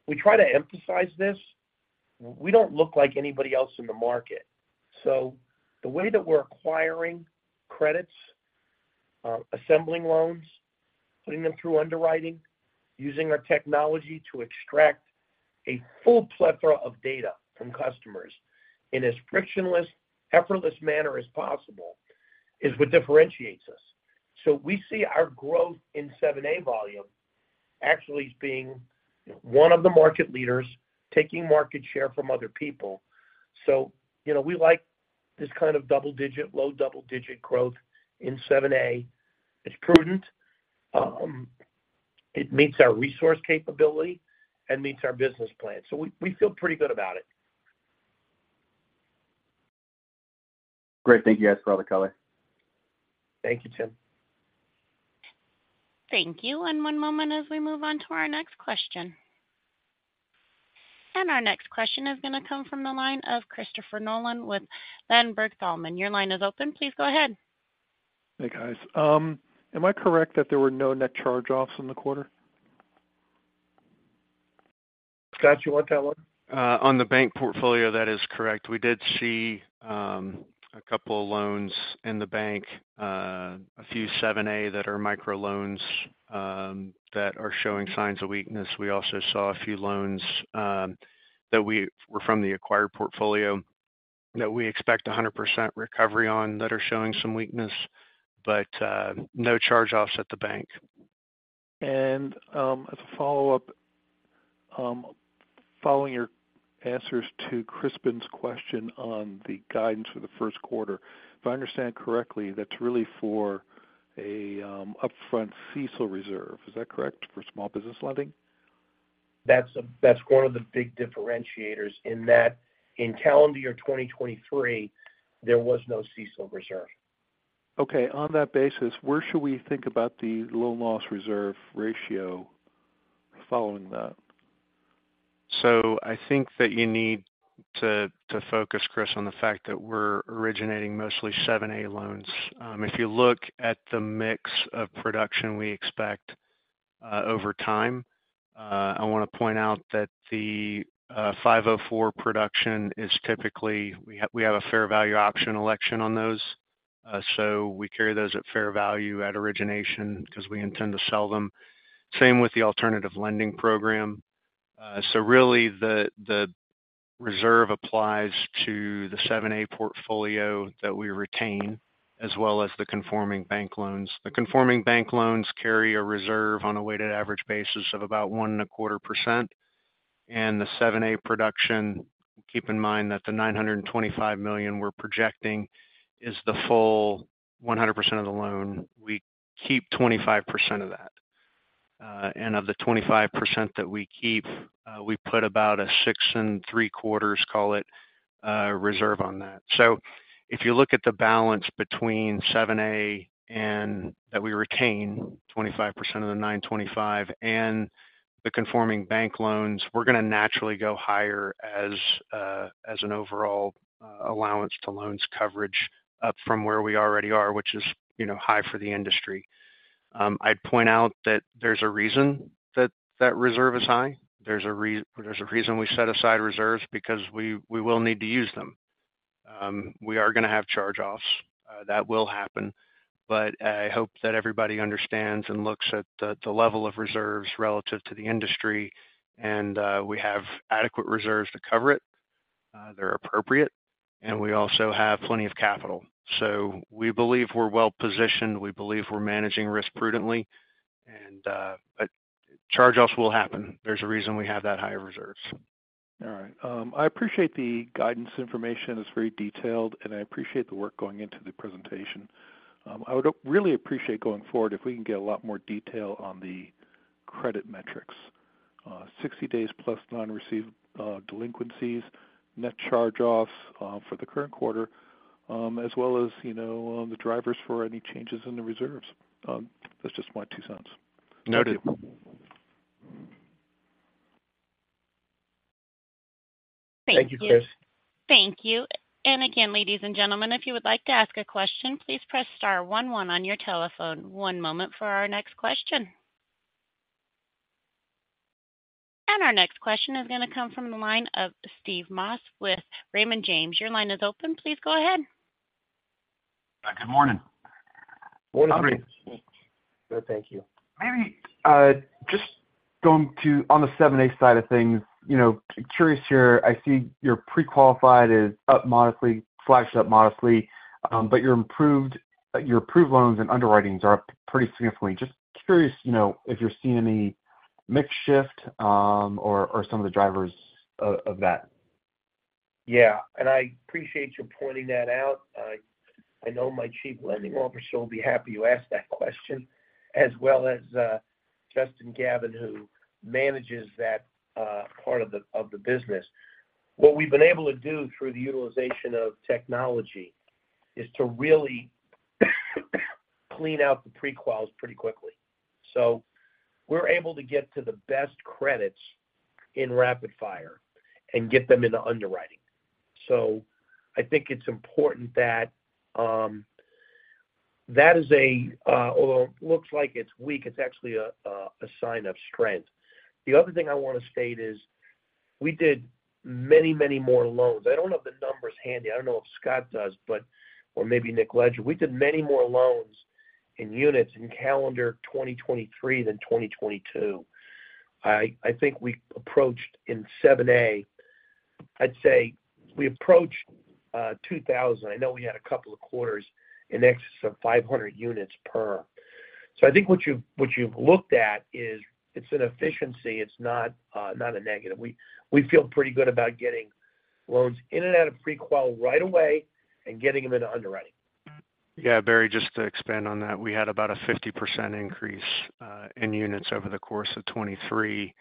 we try to emphasize this. We don't look like anybody else in the market. So the way that we're acquiring credits, assembling loans, putting them through underwriting, using our technology to extract a full plethora of data from customers in as frictionless, effortless manner as possible is what differentiates us. So we see our growth in 7A volume actually as being one of the market leaders, taking market share from other people. So we like this kind of double-digit, low double-digit growth in 7A. It's prudent. It meets our resource capability and meets our business plan. We feel pretty good about it. Great. Thank you, guys, for all the color. Thank you, Tim. Thank you. One moment as we move on to our next question. Our next question is going to come from the line of Christopher Nolan with Ladenburg Thalmann. Your line is open. Please go ahead. Hey, guys. Am I correct that there were no net charge-offs in the quarter? Scott, do you want that one? On the bank portfolio, that is correct. We did see a couple of loans in the bank, a few 7(a) that are microloans that are showing signs of weakness. We also saw a few loans that were from the acquired portfolio that we expect 100% recovery on that are showing some weakness, but no charge-offs at the bank. As a follow-up, following your answers to Crispin's question on the guidance for the first quarter, if I understand correctly, that's really for an upfront CECL reserve. Is that correct, for small business lending? That's one of the big differentiators in that in calendar year 2023, there was no CECL reserve. Okay. On that basis, where should we think about the loan loss reserve ratio following that? So I think that you need to focus, Chris, on the fact that we're originating mostly 7A loans. If you look at the mix of production we expect over time, I want to point out that the 504 production is typically we have a fair value option election on those. So we carry those at fair value at origination because we intend to sell them, same with the alternative lending program. So really, the reserve applies to the 7A portfolio that we retain as well as the conforming bank loans. The conforming bank loans carry a reserve on a weighted average basis of about 1.25%. And the 7A production, keep in mind that the $925 million we're projecting is the full 100% of the loan. We keep 25% of that. Of the 25% that we keep, we put about a 6.75, call it, reserve on that. So if you look at the balance between 7A that we retain, 25% of the $925, and the conforming bank loans, we're going to naturally go higher as an overall allowance to loans coverage up from where we already are, which is high for the industry. I'd point out that there's a reason that that reserve is high. There's a reason we set aside reserves because we will need to use them. We are going to have charge-offs. That will happen. But I hope that everybody understands and looks at the level of reserves relative to the industry. And we have adequate reserves to cover it. They're appropriate. And we also have plenty of capital. So we believe we're well-positioned. We believe we're managing risk prudently. But charge-offs will happen. There's a reason we have that high of reserves. All right. I appreciate the guidance information. It's very detailed, and I appreciate the work going into the presentation. I would really appreciate going forward if we can get a lot more detail on the credit metrics: 60 days plus non-received delinquencies, net charge-offs for the current quarter, as well as the drivers for any changes in the reserves. That's just my two cents. Noted. Thank you. Thank you, Chris. Thank you. And again, ladies and gentlemen, if you would like to ask a question, please press star 11 on your telephone. One moment for our next question. And our next question is going to come from the line of Steve Moss with Raymond James. Your line is open. Please go ahead. Good morning. Morning, Barry. Good morning. Good. Thank you. Maybe just going to on the 7A side of things, curious here, I see you're pre-qualified as up modestly/up modestly, but your approved loans and underwritings are up pretty significantly. Just curious if you're seeing any mix shift or some of the drivers of that. Yeah. And I appreciate you pointing that out. I know my chief lending officer will be happy you asked that question, as well as Justin Gavin, who manages that part of the business. What we've been able to do through the utilization of technology is to really clean out the pre-quals pretty quickly. So we're able to get to the best credits in rapid fire and get them into underwriting. So I think it's important that that is a although it looks like it's weak, it's actually a sign of strength. The other thing I want to state is we did many, many more loans. I don't have the numbers handy. I don't know if Scott does or maybe Nick Leger. We did many more loans in units in calendar 2023 than 2022. I think we approached in 7A, I'd say we approached 2,000. I know we had a couple of quarters in excess of 500 units per. So I think what you've looked at is it's an efficiency. It's not a negative. We feel pretty good about getting loans in and out of pre-qual right away and getting them into underwriting. Yeah. Barry, just to expand on that, we had about a 50% increase in units over the course of 2023.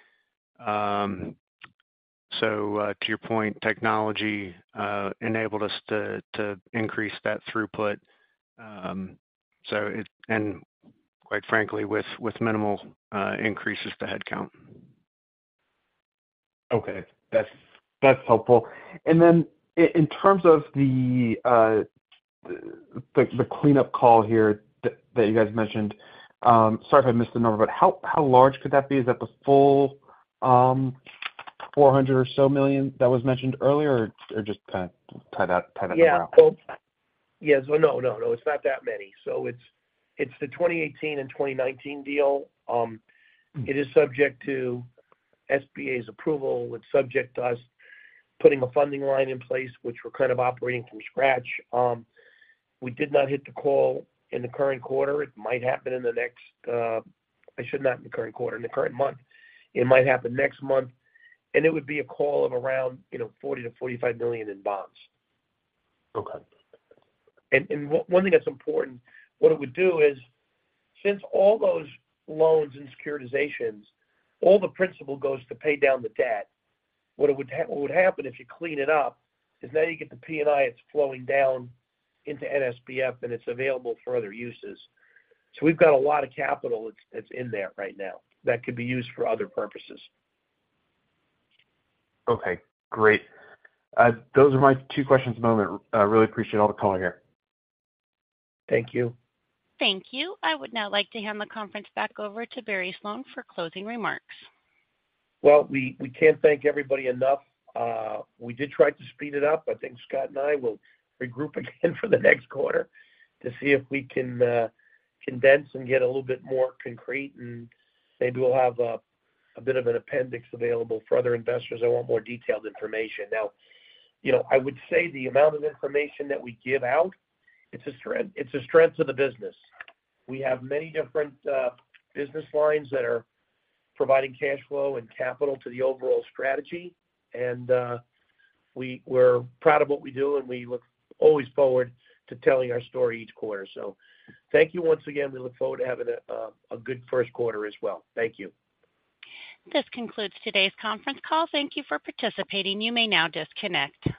So to your point, technology enabled us to increase that throughput and, quite frankly, with minimal increases to headcount. Okay. That's helpful. And then in terms of the cleanup call here that you guys mentioned, sorry if I missed the number, but how large could that be? Is that the full $400 million or so that was mentioned earlier, or just kind of tie that around? Yeah. Yeah. So no, no, no. It's not that many. So it's the 2018 and 2019 deal. It is subject to SBA's approval. It's subject to us putting a funding line in place, which we're kind of operating from scratch. We did not hit the call in the current quarter. It might happen in the next I should not in the current quarter. In the current month, it might happen next month. And it would be a call of around $40 million to $45 million in bonds. And one thing that's important, what it would do is since all those loans and securitizations, all the principal goes to pay down the debt, what would happen if you clean it up is now you get the P&I, it's flowing down into NSBF, and it's available for other uses. We've got a lot of capital that's in there right now that could be used for other purposes. Okay. Great. Those are my two questions at the moment. I really appreciate all the calling here. Thank you. Thank you. I would now like to hand the conference back over to Barry Sloane for closing remarks. Well, we can't thank everybody enough. We did try to speed it up. I think Scott and I will regroup again for the next quarter to see if we can condense and get a little bit more concrete. Maybe we'll have a bit of an appendix available for other investors who want more detailed information. Now, I would say the amount of information that we give out; it's a strength to the business. We have many different business lines that are providing cash flow and capital to the overall strategy. We're proud of what we do, and we look always forward to telling our story each quarter. So thank you once again. We look forward to having a good first quarter as well. Thank you. This concludes today's conference call. Thank you for participating. You may now disconnect.